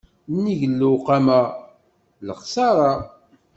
Nnig lewqama d lexṣaṛa.